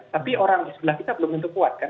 tapi orang di sebelah kita belum tentu kuat kan